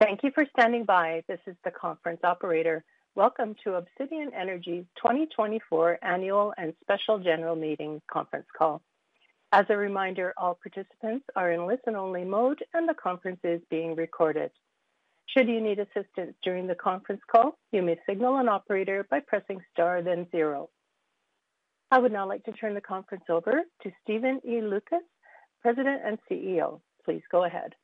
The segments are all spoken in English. Thank you for standing by. This is the conference operator. Welcome to Obsidian Energy's 2024 annual and special general meeting conference call. As a reminder, all participants are in listen-only mode and the conference is being recorded. Should you need assistance during the conference call, you may signal an operator by pressing star, then zero. I would now like to turn the conference over to Stephen Loukas, President and CEO. Please go ahead.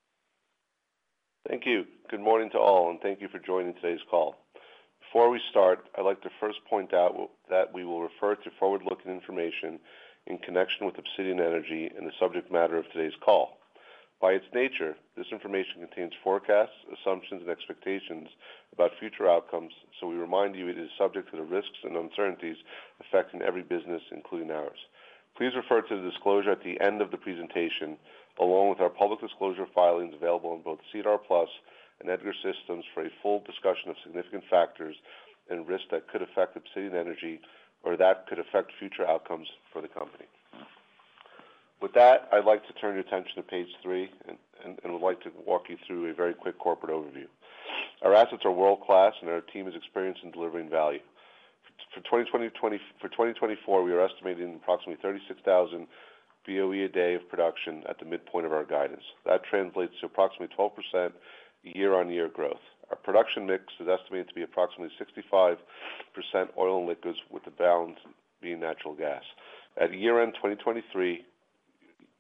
Thank you. Good morning to all, and thank you for joining today's call. Before we start, I'd like to first point out that we will refer to forward-looking information in connection with Obsidian Energy and the subject matter of today's call. By its nature, this information contains forecasts, assumptions, and expectations about future outcomes, so we remind you it is subject to the risks and uncertainties affecting every business, including ours. Please refer to the disclosure at the end of the presentation, along with our public disclosure filings available on both SEDAR+ and EDGAR systems for a full discussion of significant factors and risks that could affect Obsidian Energy or that could affect future outcomes for the company. With that, I'd like to turn your attention to page three and would like to walk you through a very quick corporate overview. Our assets are world-class, and our team is experienced in delivering value. For 2024, we are estimating approximately 36,000 BOE a day of production at the midpoint of our guidance. That translates to approximately 12% year-on-year growth. Our production mix is estimated to be approximately 65% oil and liquids, with the balance being natural gas. At year-end 2023,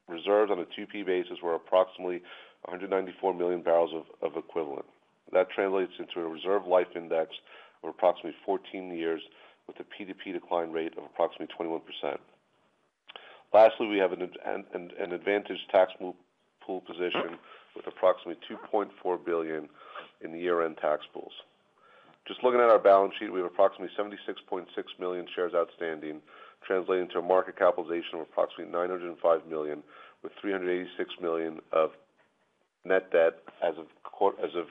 reserves on a 2P basis were approximately 194 million barrels of oil equivalent. That translates into a reserve life index of approximately 14 years, with a PDP decline rate of approximately 21%. Lastly, we have an advantageous tax pool position with approximately 2.4 billion in the year-end tax pools. Just looking at our balance sheet, we have approximately 76.6 million shares outstanding, translating to a market capitalization of approximately 905 million, with 386 million of net debt as of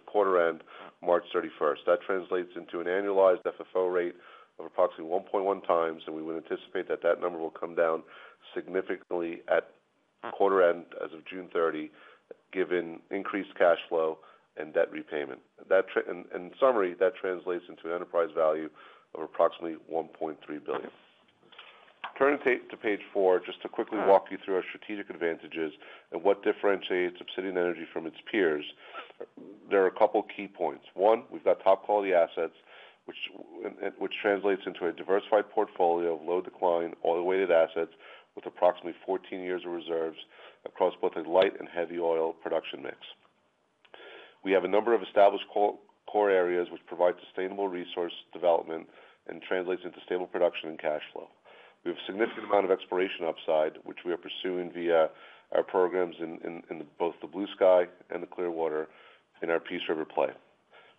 quarter-end March 31st. That translates into an annualized FFO rate of approximately 1.1 times, and we would anticipate that that number will come down significantly at quarter-end as of June 30, given increased cash flow and debt repayment. In summary, that translates into an enterprise value of approximately 1.3 billion. Turning to page four, just to quickly walk you through our strategic advantages and what differentiates Obsidian Energy from its peers, there are a couple key points. One, we've got top-quality assets, which translates into a diversified portfolio of low-decline, oil-weighted assets with approximately 14 years of reserves across both a light and heavy oil production mix. We have a number of established core areas which provide sustainable resource development and translates into stable production and cash flow. We have a significant amount of exploration upside, which we are pursuing via our programs in both the Bluesky and the Clearwater in our Peace River play.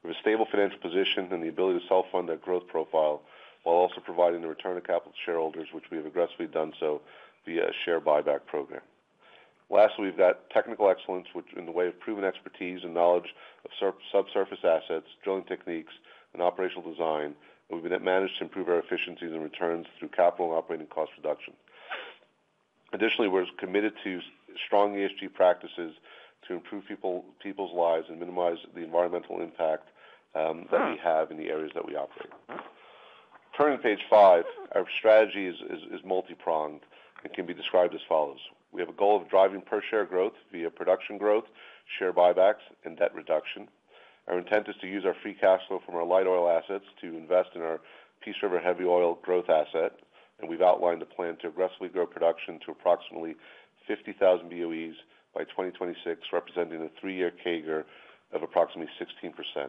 We have a stable financial position and the ability to self-fund that growth profile while also providing the return to capital to shareholders, which we have aggressively done so via a share buyback program. Lastly, we've got technical excellence in the way of proven expertise and knowledge of subsurface assets, drilling techniques, and operational design that we've managed to improve our efficiencies and returns through capital and operating cost reduction. Additionally, we're committed to strong ESG practices to improve people's lives and minimize the environmental impact that we have in the areas that we operate. Turning to page five, our strategy is multi-pronged and can be described as follows. We have a goal of driving per-share growth via production growth, share buybacks, and debt reduction. Our intent is to use our free cash flow from our light oil assets to invest in our Peace River heavy oil growth asset, and we've outlined a plan to aggressively grow production to approximately 50,000 BOEs by 2026, representing a three-year CAGR of approximately 16%.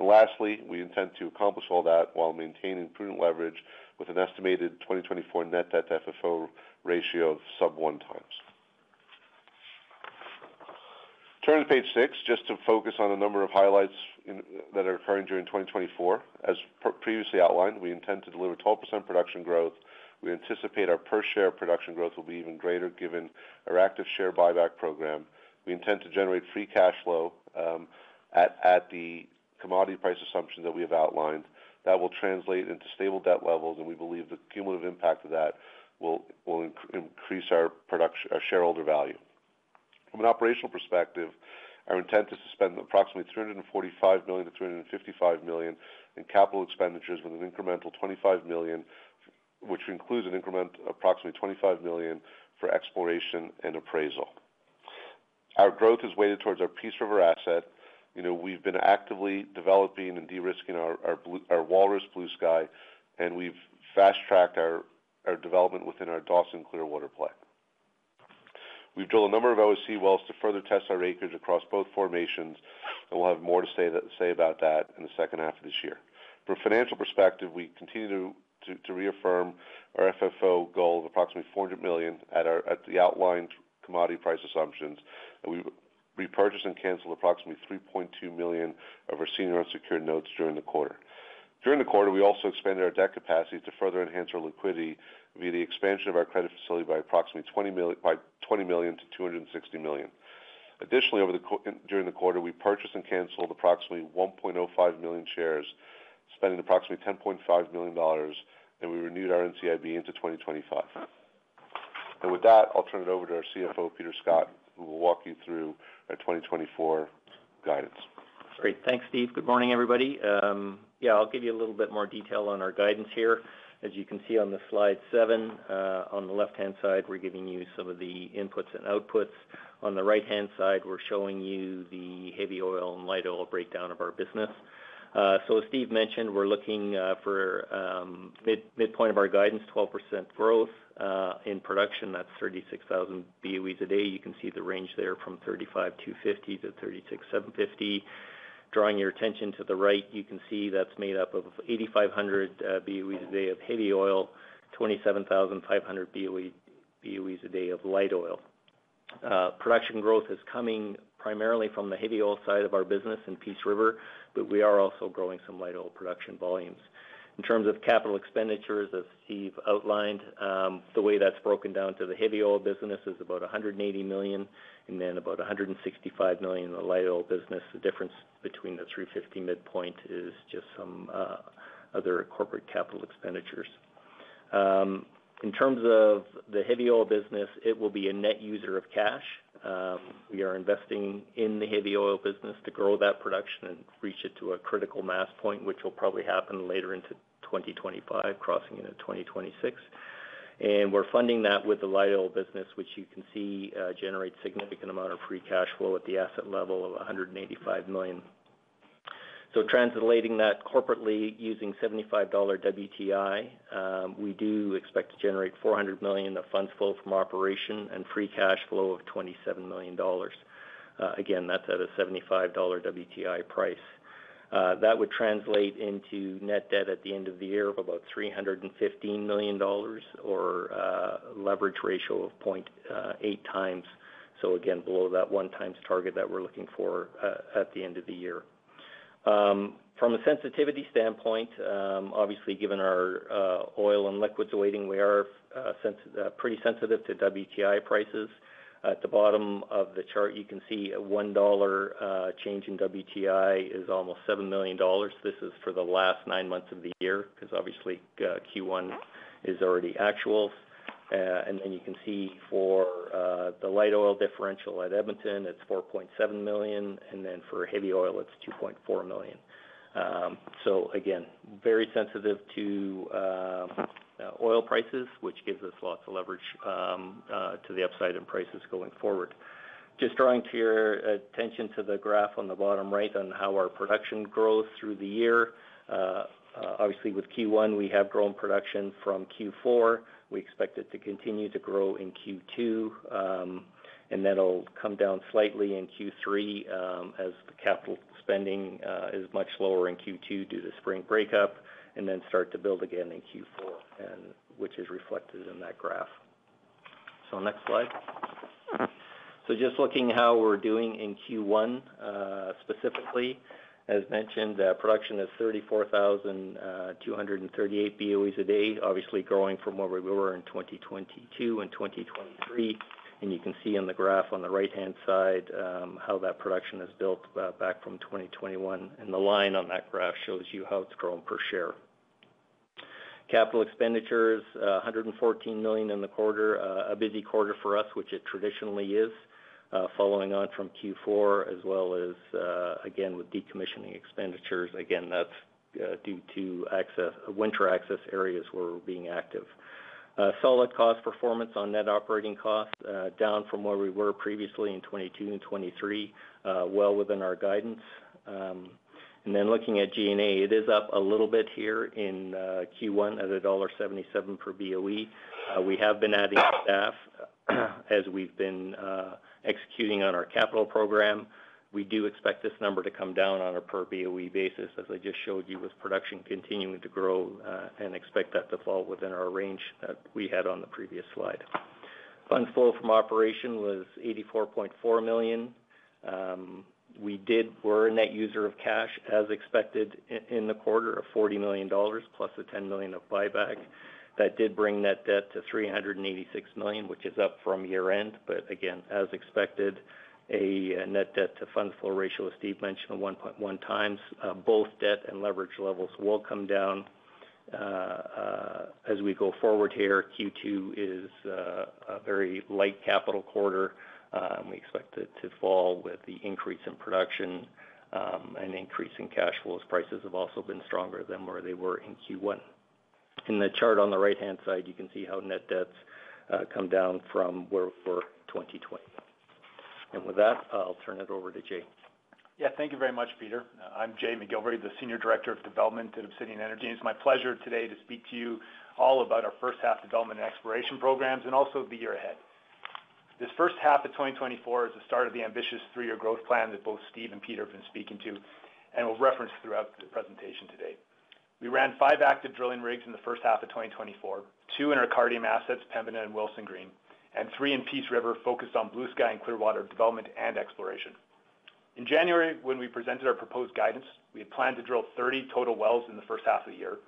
Lastly, we intend to accomplish all that while maintaining prudent leverage with an estimated 2024 net debt to FFO ratio of sub-1 times. Turning to page six, just to focus on a number of highlights that are occurring during 2024. As previously outlined, we intend to deliver 12% production growth. We anticipate our per-share production growth will be even greater, given our active share buyback program. We intend to generate free cash flow at the commodity price assumption that we have outlined. That will translate into stable debt levels, and we believe the cumulative impact of that will increase our shareholder value. From an operational perspective, our intent is to spend approximately 345 million-355 million in capital expenditures with an incremental 25 million, which includes an increment of approximately 25 million for exploration and appraisal. Our growth is weighted towards our Peace River asset. We've been actively developing and de-risking our Walrus Bluesky, and we've fast-tracked our development within our Dawson Clearwater play. We've drilled a number of OSE wells to further test our acreage across both formations, and we'll have more to say about that in the second half of this year. From a financial perspective, we continue to reaffirm our FFO goal of approximately 400 million at the outlined commodity price assumptions, and we repurchased and canceled approximately 3.2 million of our senior unsecured notes during the quarter. During the quarter, we also expanded our debt capacity to further enhance our liquidity via the expansion of our credit facility by approximately 20 million to 260 million. Additionally, during the quarter, we purchased and canceled approximately 1.05 million shares, spending approximately 10.5 million dollars, and we renewed our NCIB into 2025. With that, I'll turn it over to our CFO, Peter Scott, who will walk you through our 2024 guidance. Great. Thanks, Steve. Good morning, everybody. Yeah, I'll give you a little bit more detail on our guidance here. As you can see on the slide 7, on the left-hand side, we're giving you some of the inputs and outputs. On the right-hand side, we're showing you the heavy oil and light oil breakdown of our business. So as Steve mentioned, we're looking for midpoint of our guidance, 12% growth in production. That's 36,000 BOEs a day. You can see the range there from 35,250-36,750. Drawing your attention to the right, you can see that's made up of 8,500 BOEs a day of heavy oil, 27,500 BOEs a day of light oil. Production growth is coming primarily from the heavy oil side of our business in Peace River, but we are also growing some light oil production volumes. In terms of capital expenditures, as Steve outlined, the way that's broken down to the heavy oil business is about 180 million and then about 165 million in the light oil business. The difference between the 350 million midpoint is just some other corporate capital expenditures. In terms of the heavy oil business, it will be a net user of cash. We are investing in the heavy oil business to grow that production and reach it to a critical mass point, which will probably happen later into 2025, crossing into 2026. And we're funding that with the light oil business, which you can see generates a significant amount of free cash flow at the asset level of 185 million. So translating that corporately using $75 WTI, we do expect to generate 400 million of funds flow from operations and free cash flow of $27 million. Again, that's at a $75 WTI price. That would translate into net debt at the end of the year of about 315 million dollars or leverage ratio of 0.8 times, so again, below that 1-times target that we're looking for at the end of the year. From a sensitivity standpoint, obviously, given our oil and liquids weighting, we are pretty sensitive to WTI prices. At the bottom of the chart, you can see a $1 change in WTI is almost 7 million dollars. This is for the last nine months of the year because, obviously, Q1 is already actual. And then you can see for the light oil differential at Edmonton, it's 4.7 million, and then for heavy oil, it's 2.4 million. So again, very sensitive to oil prices, which gives us lots of leverage to the upside in prices going forward. Just drawing your attention to the graph on the bottom right on how our production grows through the year. Obviously, with Q1, we have grown production from Q4. We expect it to continue to grow in Q2, and then it'll come down slightly in Q3 as the capital spending is much lower in Q2 due to spring breakup and then start to build again in Q4, which is reflected in that graph. So next slide. So just looking at how we're doing in Q1 specifically, as mentioned, production is 34,238 BOEs a day, obviously growing from where we were in 2022 and 2023. And you can see on the graph on the right-hand side how that production is built back from 2021, and the line on that graph shows you how it's grown per share. Capital expenditures, 114 million in the quarter, a busy quarter for us, which it traditionally is, following on from Q4 as well as, again, with decommissioning expenditures. Again, that's due to winter access areas where we're being active. Solid cost performance on net operating costs, down from where we were previously in 2022 and 2023, well within our guidance. And then looking at G&A, it is up a little bit here in Q1 at dollar 1.77 per BOE. We have been adding staff as we've been executing on our capital program. We do expect this number to come down on a per BOE basis, as I just showed you, with production continuing to grow and expect that to fall within our range that we had on the previous slide. Funds flow from operation was 84.4 million. We were a net user of cash, as expected in the quarter, of 40 million dollars plus the 10 million of buyback. That did bring net debt to 386 million, which is up from year-end. But again, as expected, a net debt to funds flow ratio, as Steve mentioned, of 1.1 times. Both debt and leverage levels will come down as we go forward here. Q2 is a very light capital quarter, and we expect it to fall with the increase in production and increase in cash flow as prices have also been stronger than where they were in Q1. In the chart on the right-hand side, you can see how net debts come down from where we were in 2020. With that, I'll turn it over to Jay. Yeah, thank you very much, Peter. I'm Jay McGilvray, the Senior Director of Development at Obsidian Energy. It's my pleasure today to speak to you all about our first half development and exploration programs and also the year ahead. This first half of 2024 is the start of the ambitious 3-year growth plan that both Steve and Peter have been speaking to and will reference throughout the presentation today. We ran 5 active drilling rigs in the first half of 2024, 2 in our Cardium assets, Pembina and Willesden Green, and 3 in Peace River focused on Bluesky and Clearwater development and exploration. In January, when we presented our proposed guidance, we had planned to drill 30 total wells in the first half of the year,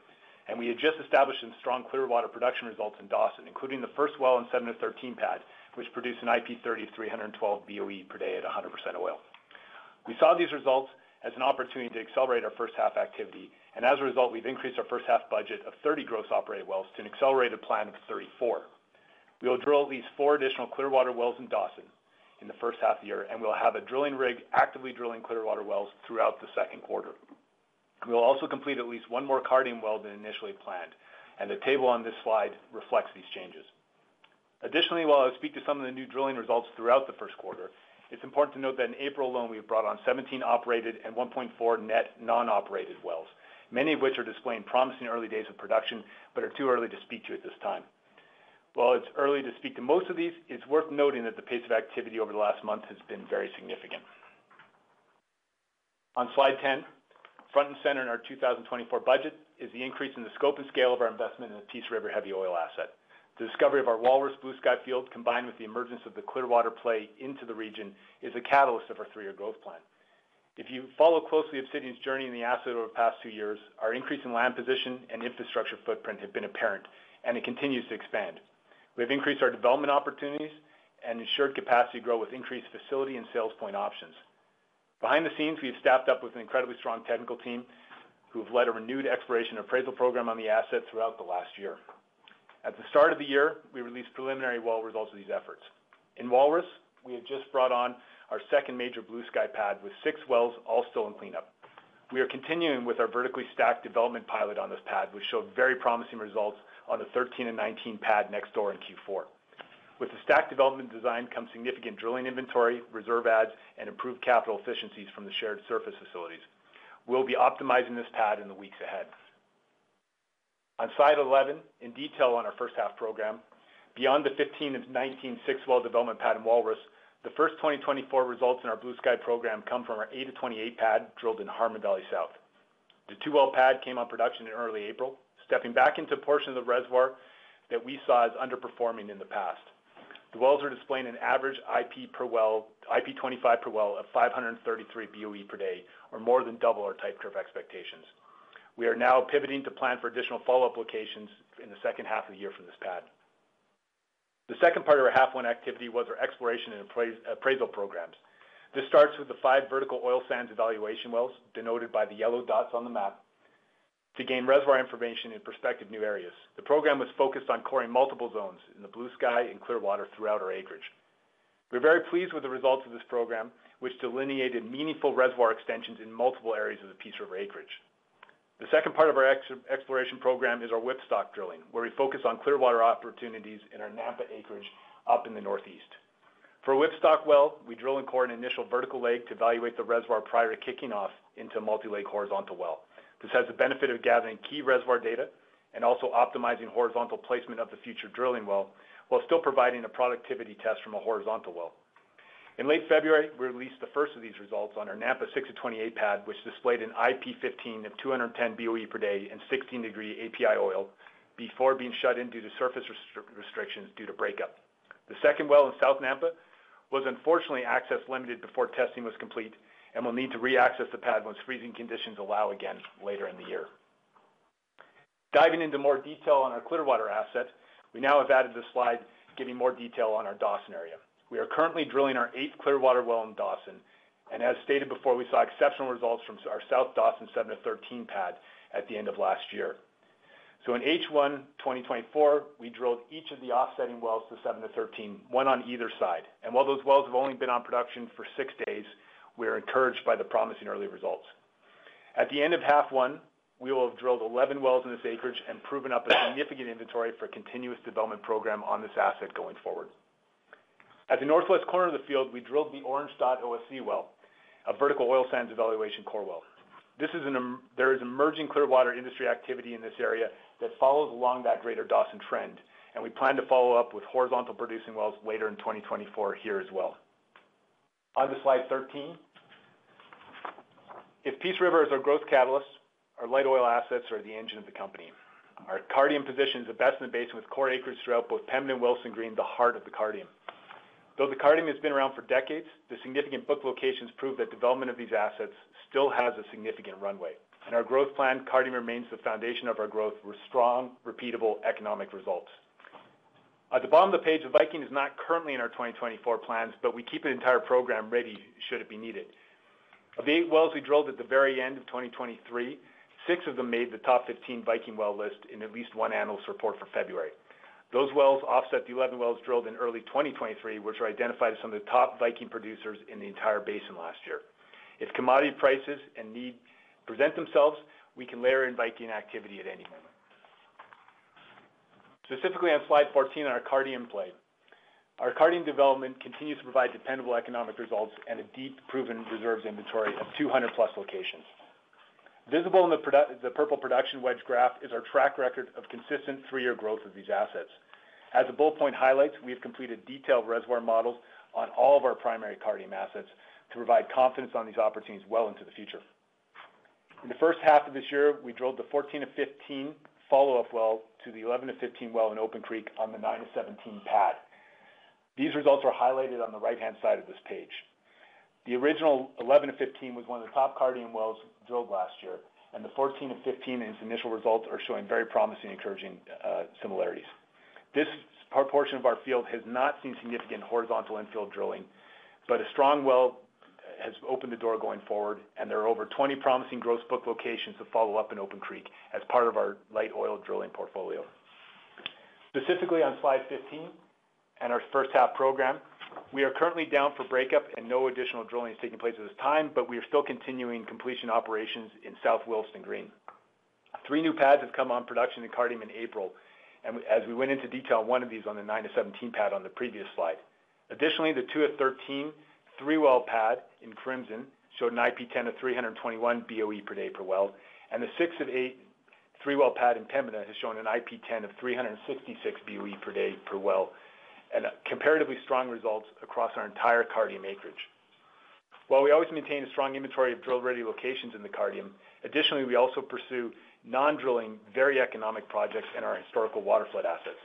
and we had just established some strong Clearwater production results in Dawson, including the first well in 7-13 pad, which produced an IP30 of 312 BOE per day at 100% oil. We saw these results as an opportunity to accelerate our first half activity, and as a result, we've increased our first half budget of 30 gross operated wells to an accelerated plan of 34. We will drill at least four additional Clearwater wells in Dawson in the first half of the year, and we'll have a drilling rig actively drilling Clearwater wells throughout the second quarter. We will also complete at least one more Cardium well than initially planned, and the table on this slide reflects these changes. Additionally, while I speak to some of the new drilling results throughout the first quarter, it's important to note that in April alone, we've brought on 17 operated and 1.4 net non-operated wells, many of which are displaying promising early days of production but are too early to speak to at this time. While it's early to speak to most of these, it's worth noting that the pace of activity over the last month has been very significant. On slide 10, front and center in our 2024 budget is the increase in the scope and scale of our investment in the Peace River heavy oil asset. The discovery of our Walrus Bluesky field, combined with the emergence of the Clearwater play into the region, is a catalyst of our three-year growth plan. If you follow closely Obsidian's journey in the asset over the past two years, our increase in land position and infrastructure footprint has been apparent, and it continues to expand. We have increased our development opportunities and ensured capacity growth with increased facility and sales point options. Behind the scenes, we have staffed up with an incredibly strong technical team who have led a renewed exploration and appraisal program on the asset throughout the last year. At the start of the year, we released preliminary well results of these efforts. In Walrus, we have just brought on our second major Bluesky pad with six wells all still in cleanup. We are continuing with our vertically stacked development pilot on this pad, which showed very promising results on the 13-19 pad next door in Q4. With the stacked development design comes significant drilling inventory, reserve adds, and improved capital efficiencies from the shared surface facilities. We'll be optimizing this pad in the weeks ahead. On slide 11, in detail on our first-half program, beyond the 15-19 six-well development pad in Walrus, the first 2024 results in our Bluesky program come from our 8-28 pad drilled in Harmon Valley South. The two-well pad came on production in early April, stepping back into a portion of the reservoir that we saw as underperforming in the past. The wells are displaying an average IP25 per well of 533 BOE per day, or more than double our type curve expectations. We are now pivoting to plan for additional follow-up locations in the second half of the year from this pad. The second part of our H1 activity was our exploration and appraisal programs. This starts with the five vertical oil sands evaluation wells denoted by the yellow dots on the map to gain reservoir information in prospective new areas. The program was focused on coring multiple zones in the Bluesky and Clearwater throughout our acreage. We're very pleased with the results of this program, which delineated meaningful reservoir extensions in multiple areas of the Peace River acreage. The second part of our exploration program is our whipstock drilling, where we focus on Clearwater opportunities in our Nampa acreage up in the northeast. For a whipstock well, we drill and core an initial vertical leg to evaluate the reservoir prior to kicking off into a multi-leg horizontal well. This has the benefit of gathering key reservoir data and also optimizing horizontal placement of the future drilling well while still providing a productivity test from a horizontal well. In late February, we released the first of these results on our Nampa 6-28 pad, which displayed an IP15 of 210 BOE per day and 16-degree API oil before being shut in due to surface restrictions due to breakup. The second well in South Nampa was unfortunately access limited before testing was complete and will need to reaccess the pad once freezing conditions allow again later in the year. Diving into more detail on our Clearwater asset, we now have added this slide giving more detail on our Dawson area. We are currently drilling our eighth Clearwater well in Dawson, and as stated before, we saw exceptional results from our South Dawson 7-13 pad at the end of last year. So in H1 2024, we drilled each of the offsetting wells to 7-13, one on either side. And while those wells have only been on production for six days, we are encouraged by the promising early results. At the end of half one, we will have drilled 11 wells in this acreage and proven up a significant inventory for a continuous development program on this asset going forward. At the northwest corner of the field, we drilled the Orange Dot OSE well, a vertical oil sands evaluation core well. There is emerging Clearwater industry activity in this area that follows along that greater Dawson trend, and we plan to follow up with horizontal producing wells later in 2024 here as well. On to slide 13. If Peace River is our growth catalyst, our light oil assets are the engine of the company. Our Cardium positions are best in the basin with core acreage throughout both Pembina and Willesden Green, the heart of the Cardium. Though the Cardium has been around for decades, the significant book locations prove that development of these assets still has a significant runway. In our growth plan, Cardium remains the foundation of our growth with strong, repeatable economic results. At the bottom of the page, Viking is not currently in our 2024 plans, but we keep an entire program ready should it be needed. Of the eight wells we drilled at the very end of 2023, six of them made the top 15 Viking well list in at least one annual report for February. Those wells offset the 11 wells drilled in early 2023, which were identified as some of the top Viking producers in the entire basin last year. If commodity prices and need present themselves, we can layer in Viking activity at any moment. Specifically on slide 14, on our Cardium play, our Cardium development continues to provide dependable economic results and a deep, proven reserves inventory of 200+ locations. Visible in the purple production wedge graph is our track record of consistent three-year growth of these assets. As the bullet point highlights, we have completed detailed reservoir models on all of our primary Cardium assets to provide confidence on these opportunities well into the future. In the first half of this year, we drilled the 14-15 follow-up well to the 11-15 well in Open Creek on the 9-17 pad. These results are highlighted on the right-hand side of this page. The original 11-15 was one of the top Cardium wells drilled last year, and the 14-15 and its initial results are showing very promising and encouraging similarities. This portion of our field has not seen significant horizontal infield drilling, but a strong well has opened the door going forward, and there are over 20 promising gross book locations to follow up in Open Creek as part of our light oil drilling portfolio. Specifically on slide 15 and our first half program, we are currently down for breakup, and no additional drilling is taking place at this time, but we are still continuing completion operations in Willesden Green. 3 new pads have come on production in Cardium in April, and as we went into detail on one of these on the 9-17 pad on the previous slide. Additionally, the 2-13 3-well pad in Crimson showed an IP10 of 321 BOE per day per well, and the 6-8 3-well pad in Pembina has shown an IP10 of 366 BOE per day per well, and comparatively strong results across our entire Cardium acreage. While we always maintain a strong inventory of drill-ready locations in the Cardium, additionally, we also pursue non-drilling, very economic projects in our historical waterflood assets.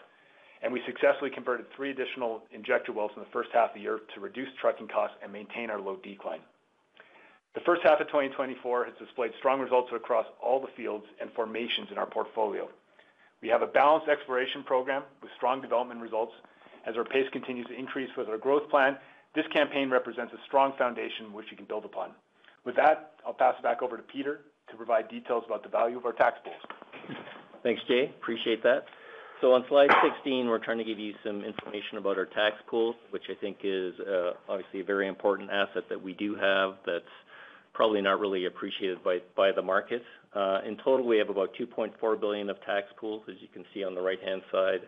We successfully converted three additional injector wells in the first half of the year to reduce trucking costs and maintain our low decline. The first half of 2024 has displayed strong results across all the fields and formations in our portfolio. We have a balanced exploration program with strong development results. As our pace continues to increase with our growth plan, this campaign represents a strong foundation which you can build upon. With that, I'll pass it back over to Peter to provide details about the value of our tax pools. Thanks, Jay. Appreciate that. So on slide 16, we're trying to give you some information about our tax pools, which I think is obviously a very important asset that we do have that's probably not really appreciated by the market. In total, we have about 2.4 billion of tax pools. As you can see on the right-hand side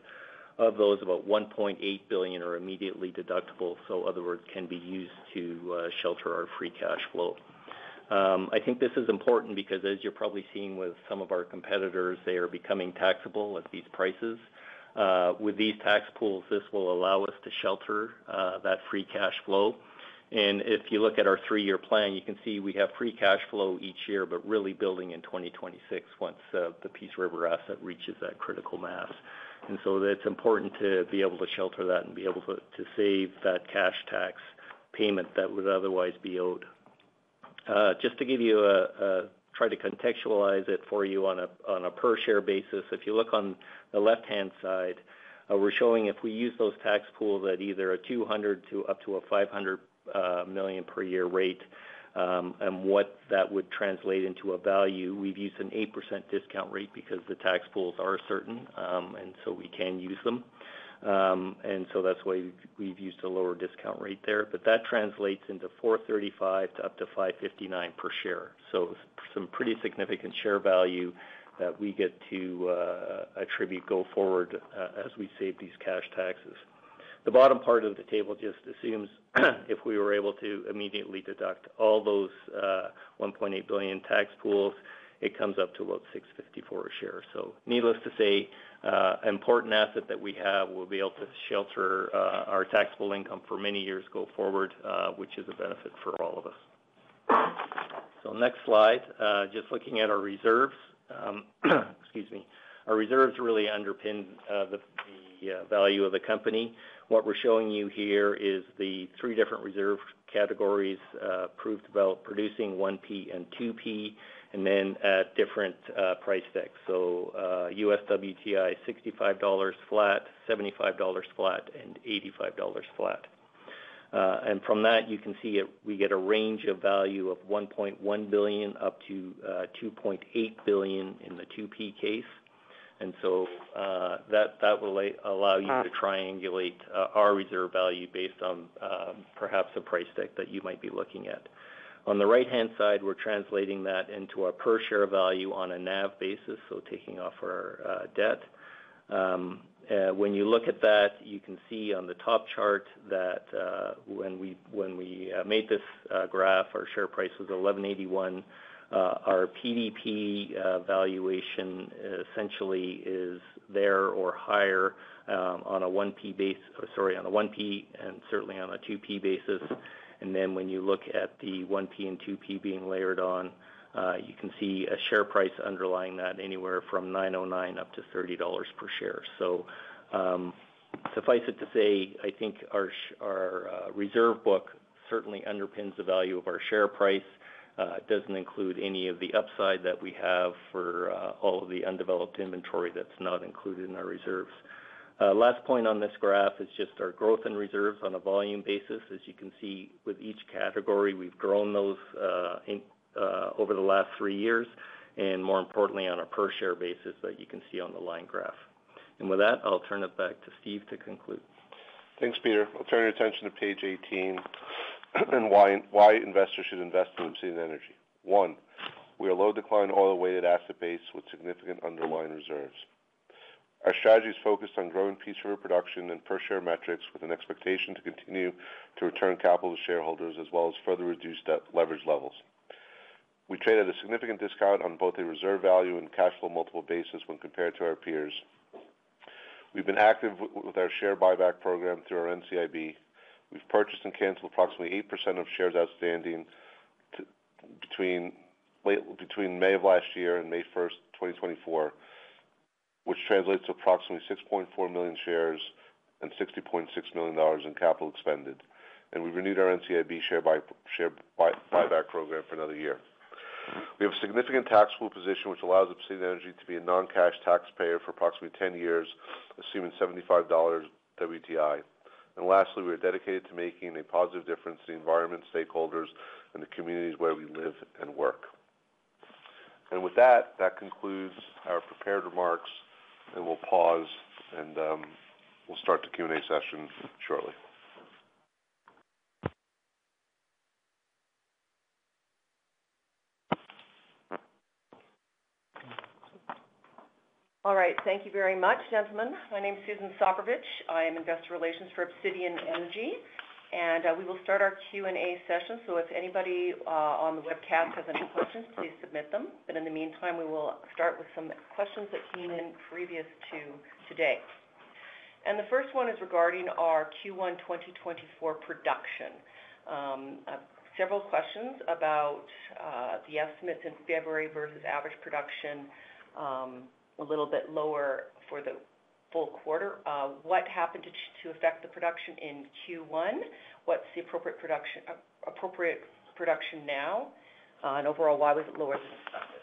of those, about 1.8 billion are immediately deductible, so other words, can be used to shelter our free cash flow. I think this is important because, as you're probably seeing with some of our competitors, they are becoming taxable at these prices. With these tax pools, this will allow us to shelter that free cash flow. And if you look at our three-year plan, you can see we have free cash flow each year but really building in 2026 once the Peace River asset reaches that critical mass. It's important to be able to shelter that and be able to save that cash tax payment that would otherwise be owed. Just to try to contextualize it for you on a per-share basis, if you look on the left-hand side, we're showing if we use those tax pools at either a 200 million- to up to a 500 million per year rate and what that would translate into a value, we've used an 8% discount rate because the tax pools are certain, and so we can use them. That's why we've used a lower discount rate there. That translates into 435- to up to 559 per share. Some pretty significant share value that we get to attribute go forward as we save these cash taxes. The bottom part of the table just assumes if we were able to immediately deduct all those 1.8 billion tax pools, it comes up to about $6.54 a share. So needless to say, an important asset that we have will be able to shelter our taxable income for many years go forward, which is a benefit for all of us. So next slide, just looking at our reserves excuse me. Our reserves really underpin the value of the company. What we're showing you here is the three different reserve categories proved producing, 1P and 2P, and then at different price decks. So U.S. WTI $65 flat, $75 flat, and $85 flat. And from that, you can see we get a range of value of 1.1 billion-2.8 billion in the 2P case. And so that will allow you to triangulate our reserve value based on perhaps a price deck that you might be looking at. On the right-hand side, we're translating that into our per-share value on a NAV basis, so taking off our debt. When you look at that, you can see on the top chart that when we made this graph, our share price was $11.81. Our PDP valuation essentially is there or higher on a 1P basis, sorry, on a 1P and certainly on a 2P basis. And then when you look at the 1P and 2P being layered on, you can see a share price underlying that anywhere from $9.09 up to $30 per share. So suffice it to say, I think our reserve book certainly underpins the value of our share price. It doesn't include any of the upside that we have for all of the undeveloped inventory that's not included in our reserves. Last point on this graph is just our growth in reserves on a volume basis. As you can see, with each category, we've grown those over the last three years and, more importantly, on a per-share basis that you can see on the line graph. With that, I'll turn it back to Steve to conclude. Thanks, Peter. I'll turn your attention to page 18 and why investors should invest in Obsidian Energy. One, we are a low-decline, oil-weighted asset base with significant underlying reserves. Our strategy is focused on growing Peace River production and per-share metrics with an expectation to continue to return capital to shareholders as well as further reduce debt leverage levels. We trade at a significant discount on both a reserve value and cash flow multiple basis when compared to our peers. We've been active with our share buyback program through our NCIB. We've purchased and canceled approximately 8% of shares outstanding between May of last year and May 1st, 2024, which translates to approximately 6.4 million shares and $60.6 million in capital expended. We've renewed our NCIB share buyback program for another year. We have a significant taxable position which allows Obsidian Energy to be a non-cash taxpayer for approximately 10 years, assuming $75 WTI. And lastly, we are dedicated to making a positive difference in the environment, stakeholders, and the communities where we live and work. With that, that concludes our prepared remarks, and we'll pause, and we'll start the Q&A session shortly. All right. Thank you very much, gentlemen. My name is Susan Soprovich. I am Investor Relations for Obsidian Energy. We will start our Q&A session. If anybody on the webcast has any questions, please submit them. In the meantime, we will start with some questions that came in previous to today. The first one is regarding our Q1 2024 production. Several questions about the estimates in February versus average production a little bit lower for the full quarter. What happened to affect the production in Q1? What's the appropriate production now? Overall, why was it lower than expected?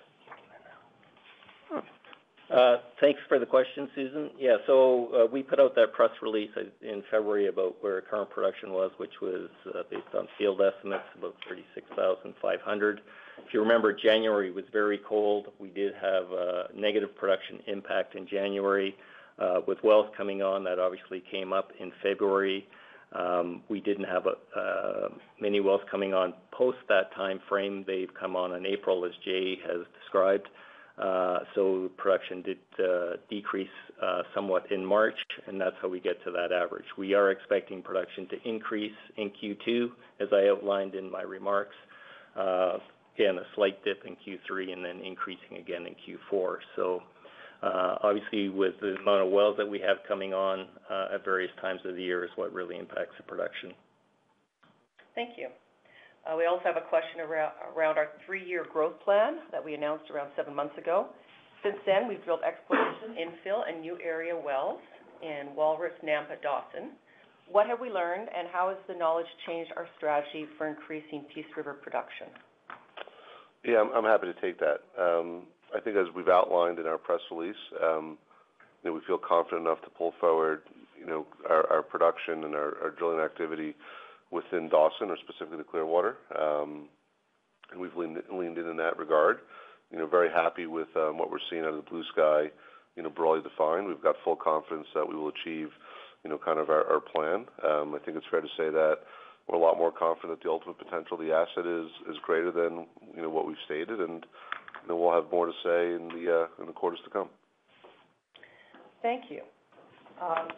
Thanks for the question, Susan. Yeah. So we put out that press release in February about where current production was, which was based on field estimates, about 36,500. If you remember, January was very cold. We did have a negative production impact in January. With wells coming on, that obviously came up in February. We didn't have many wells coming on post that time frame. They've come on in April, as Jay has described. So production did decrease somewhat in March, and that's how we get to that average. We are expecting production to increase in Q2, as I outlined in my remarks. Again, a slight dip in Q3 and then increasing again in Q4. So obviously, with the amount of wells that we have coming on at various times of the year is what really impacts the production. Thank you. We also have a question around our three-year growth plan that we announced around seven months ago. Since then, we've built exploration, infield, and new area wells in Walrus, Nampa, Dawson. What have we learned, and how has the knowledge changed our strategy for increasing Peace River production? Yeah. I'm happy to take that. I think, as we've outlined in our press release, we feel confident enough to pull forward our production and our drilling activity within Dawson or specifically the Clearwater. And we've leaned in in that regard. Very happy with what we're seeing out of the Bluesky, broadly defined. We've got full confidence that we will achieve kind of our plan. I think it's fair to say that we're a lot more confident that the ultimate potential of the asset is greater than what we've stated, and we'll have more to say in the quarters to come. Thank you.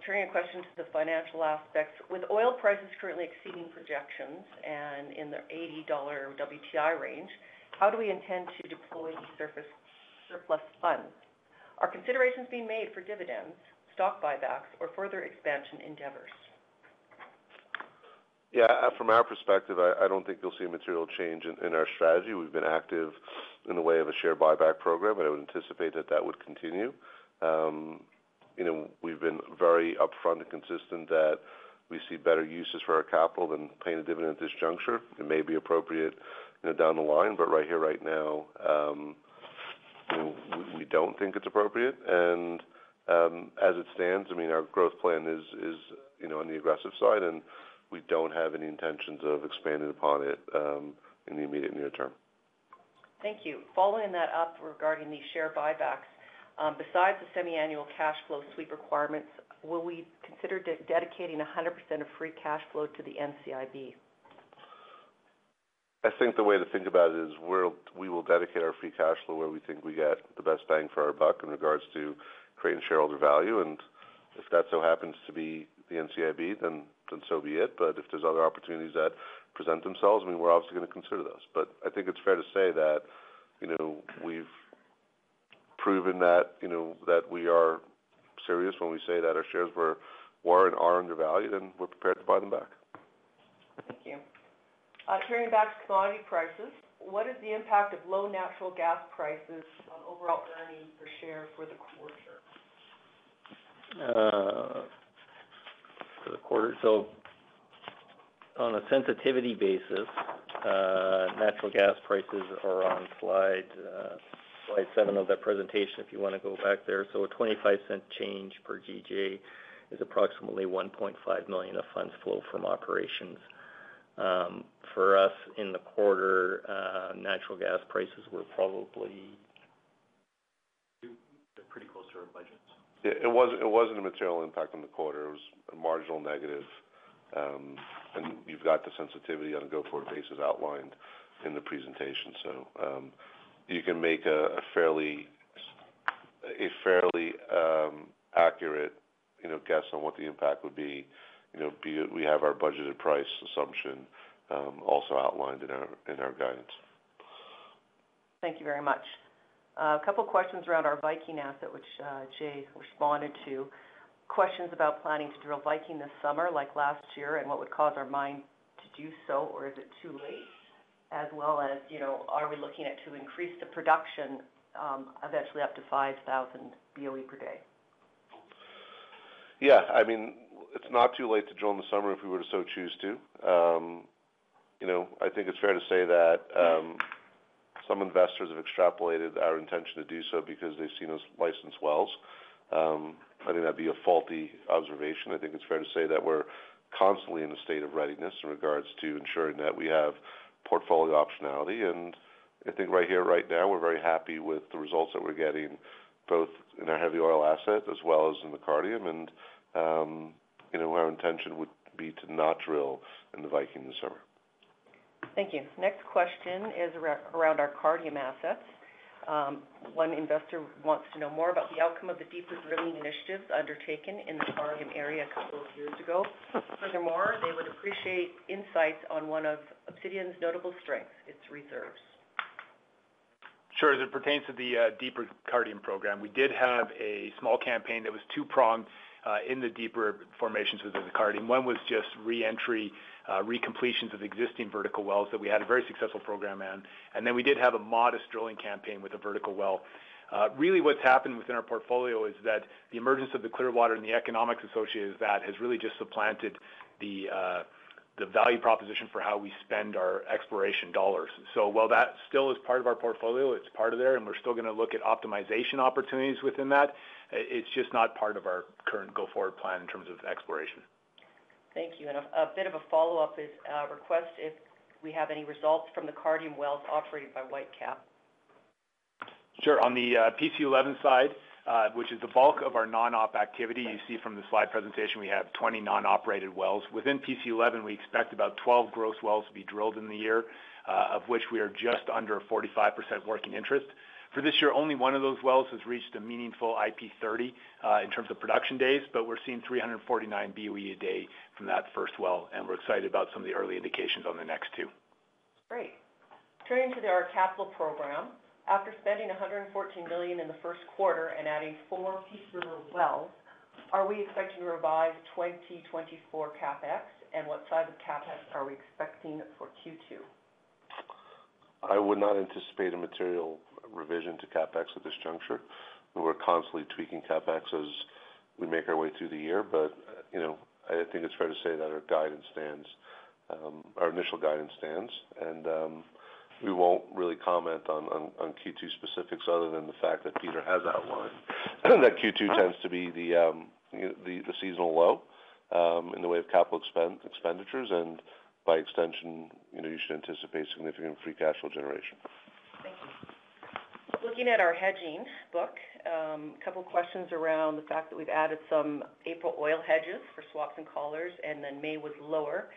Turning a question to the financial aspects. With oil prices currently exceeding projections and in the $80 WTI range, how do we intend to deploy the surplus funds? Are considerations being made for dividends, stock buybacks, or further expansion endeavors? Yeah. From our perspective, I don't think you'll see a material change in our strategy. We've been active in the way of a share buyback program, and I would anticipate that that would continue. We've been very upfront and consistent that we see better uses for our capital than paying a dividend at this juncture. It may be appropriate down the line, but right here, right now, we don't think it's appropriate. And as it stands, I mean, our growth plan is on the aggressive side, and we don't have any intentions of expanding upon it in the immediate near term. Thank you. Following that up regarding these share buybacks, besides the semiannual cash flow sweep requirements, will we consider dedicating 100% of free cash flow to the NCIB? I think the way to think about it is we will dedicate our free cash flow where we think we get the best bang for our buck in regards to creating shareholder value. And if that so happens to be the NCIB, then so be it. But if there's other opportunities that present themselves, I mean, we're obviously going to consider those. But I think it's fair to say that we've proven that we are serious when we say that our shares were and are undervalued, and we're prepared to buy them back. Thank you. Turning back to commodity prices, what is the impact of low natural gas prices on overall earnings per share for the quarter? For the quarter? So on a sensitivity basis, natural gas prices are on slide 7 of that presentation if you want to go back there. So a 0.25 change per GJ is approximately 1.5 million of funds flow from operations. For us, in the quarter, natural gas prices were probably. They're pretty close to our budget, so. Yeah. It wasn't a material impact on the quarter. It was a marginal negative. And you've got the sensitivity on a go-forward basis outlined in the presentation. So you can make a fairly accurate guess on what the impact would be, be it we have our budgeted price assumption also outlined in our guidance. Thank you very much. A couple of questions around our Viking asset, which Jay responded to. Questions about planning to drill Viking this summer like last year and what would cause our mind to do so, or is it too late? As well as, are we looking at to increase the production eventually up to 5,000 BOE per day? Yeah. I mean, it's not too late to drill in the summer if we were to so choose to. I think it's fair to say that some investors have extrapolated our intention to do so because they've seen us license wells. I think that'd be a faulty observation. I think it's fair to say that we're constantly in a state of readiness in regards to ensuring that we have portfolio optionality. And I think right here, right now, we're very happy with the results that we're getting both in our heavy oil assets as well as in the Cardium. And our intention would be to not drill in the Viking this summer. Thank you. Next question is around our Cardium assets. One investor wants to know more about the outcome of the deeper drilling initiatives undertaken in the Cardium area a couple of years ago. Furthermore, they would appreciate insights on one of Obsidian's notable strengths, its reserves. Sure. As it pertains to the deeper Cardium program, we did have a small campaign that was two-pronged in the deeper formations within the Cardium. One was just reentry, recompletions of existing vertical wells that we had a very successful program on. And then we did have a modest drilling campaign with a vertical well. Really, what's happened within our portfolio is that the emergence of the Clearwater and the economics associated with that has really just supplanted the value proposition for how we spend our exploration dollars. So while that still is part of our portfolio, it's part of there, and we're still going to look at optimization opportunities within that. It's just not part of our current go-forward plan in terms of exploration. Thank you. A bit of a follow-up is a request if we have any results from the Cardium wells operated by Whitecap? Sure. On the PC11 side, which is the bulk of our non-op activity, you see from the slide presentation, we have 20 non-operated wells. Within PC11, we expect about 12 gross wells to be drilled in the year, of which we are just under 45% working interest. For this year, only one of those wells has reached a meaningful IP30 in terms of production days, but we're seeing 349 BOE a day from that first well, and we're excited about some of the early indications on the next two. Great. Turning to our capital program. After spending 114 million in the first quarter and adding 4 Peace River wells, are we expecting to revise 2024 CapEx, and what size of CapEx are we expecting for Q2? I would not anticipate a material revision to CapEx at this juncture. We're constantly tweaking CapEx as we make our way through the year, but I think it's fair to say that our initial guidance stands. We won't really comment on Q2 specifics other than the fact that Peter has outlined that Q2 tends to be the seasonal low in the way of capital expenditures. By extension, you should anticipate significant free cash flow generation. Thank you. Looking at our hedging book, a couple of questions around the fact that we've added some April oil hedges for swaps and collars, and then May was lower.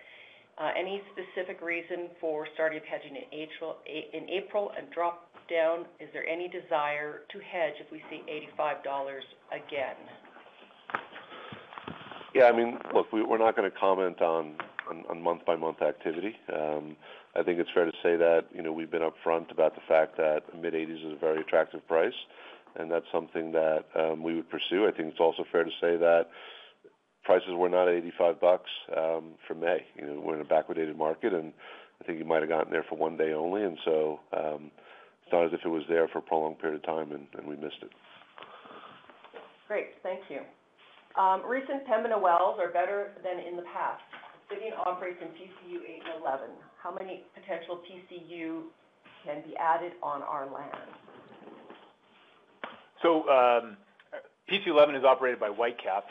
Any specific reason for starting hedging in April and drop down? Is there any desire to hedge if we see $85 again? Yeah. I mean, look, we're not going to comment on month-by-month activity. I think it's fair to say that we've been upfront about the fact that a mid-80s is a very attractive price, and that's something that we would pursue. I think it's also fair to say that prices were not at $85 for May. We're in a backward-dated market, and I think you might have gotten there for 1 day only. And so it's not as if it was there for a prolonged period of time, and we missed it. Great. Thank you. Recent Pembina wells are better than in the past. Obsidian operates in PCU 8 and 11. How many potential PCU can be added on our land? So PC11 is operated by Whitecap.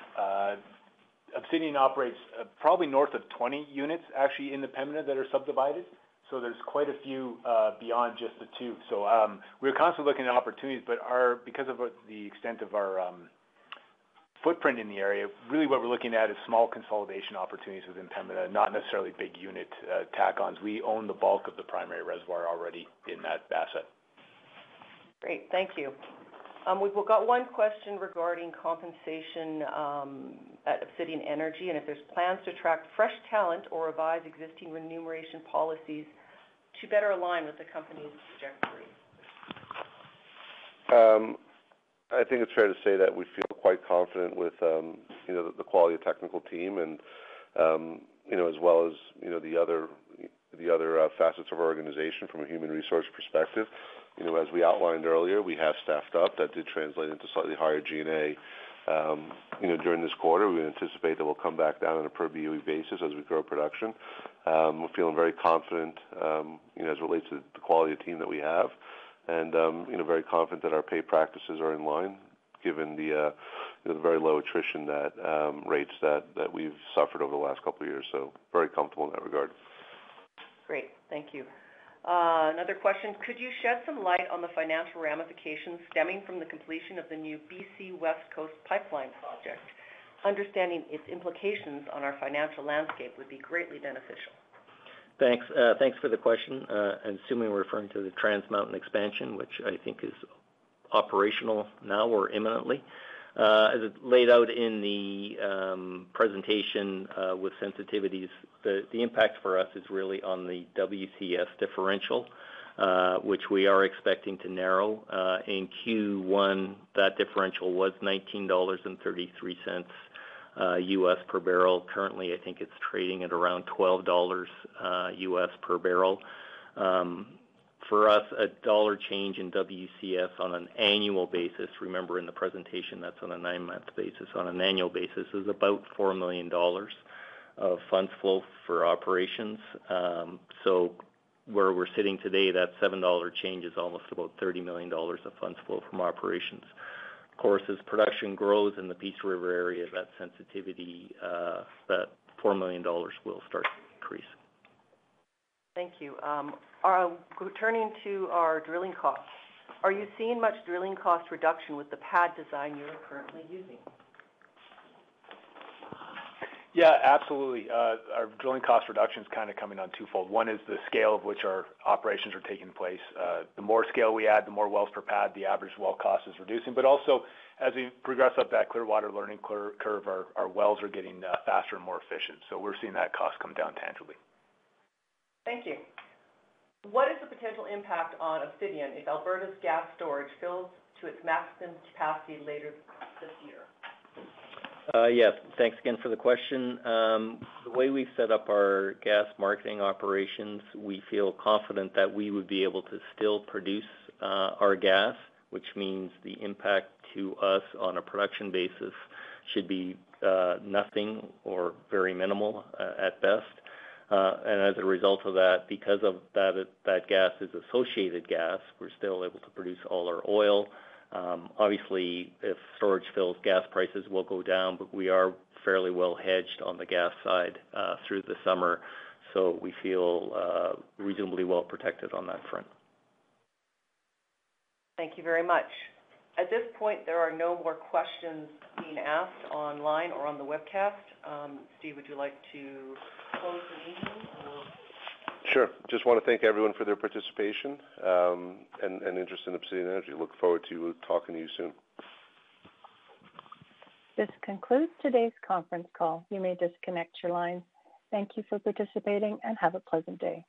Obsidian operates probably north of 20 units, actually, in the Pembina that are subdivided. So there's quite a few beyond just the two. So we're constantly looking at opportunities, but because of the extent of our footprint in the area, really what we're looking at is small consolidation opportunities within Pembina, not necessarily big unit tack-ons. We own the bulk of the primary reservoir already in that asset. Great. Thank you. We've got one question regarding compensation at Obsidian Energy and if there's plans to attract fresh talent or revise existing remuneration policies to better align with the company's trajectory. I think it's fair to say that we feel quite confident with the quality of technical team as well as the other facets of our organization from a human resource perspective. As we outlined earlier, we have staffed up. That did translate into slightly higher G&A during this quarter. We anticipate that we'll come back down on a per-BOE basis as we grow production. We're feeling very confident as it relates to the quality of team that we have and very confident that our pay practices are in line given the very low attrition rates that we've suffered over the last couple of years. Very comfortable in that regard. Great. Thank you. Another question. Could you shed some light on the financial ramifications stemming from the completion of the new BC West Coast Pipeline project? Understanding its implications on our financial landscape would be greatly beneficial. Thanks for the question. I'm assuming we're referring to the Trans Mountain Expansion, which I think is operational now or imminently. As it laid out in the presentation with sensitivities, the impact for us is really on the WCS differential, which we are expecting to narrow. In Q1, that differential was $19.33 per barrel. Currently, I think it's trading at around $12 per barrel. For us, a dollar change in WCS on an annual basis—remember, in the presentation, that's on a nine-month basis. On an annual basis, is about $4 million of funds flow from operations. So where we're sitting today, that $7 change is almost about $30 million of funds flow from operations. Of course, as production grows in the Peace River area, that sensitivity, that $4 million will start to increase. Thank you. Turning to our drilling costs. Are you seeing much drilling cost reduction with the pad design you're currently using? Yeah. Absolutely. Our drilling cost reduction is kind of coming on twofold. One is the scale of which our operations are taking place. The more scale we add, the more wells per pad, the average well cost is reducing. But also, as we progress up that Clearwater learning curve, our wells are getting faster and more efficient. So we're seeing that cost come down tangibly. Thank you. What is the potential impact on Obsidian if Alberta's gas storage fills to its maximum capacity later this year? Yes. Thanks again for the question. The way we've set up our gas marketing operations, we feel confident that we would be able to still produce our gas, which means the impact to us on a production basis should be nothing or very minimal at best. As a result of that, because that gas is associated gas, we're still able to produce all our oil. Obviously, if storage fills, gas prices will go down, but we are fairly well hedged on the gas side through the summer. We feel reasonably well protected on that front. Thank you very much. At this point, there are no more questions being asked online or on the webcast. Steve, would you like to close the meeting or? Sure. Just want to thank everyone for their participation and interest in Obsidian Energy. Look forward to talking to you soon. This concludes today's conference call. You may disconnect your lines. Thank you for participating, and have a pleasant day.